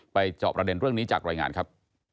จอบประเด็นเรื่องนี้จากรายงานครับ